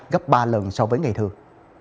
gấp ba lần so với ngày thường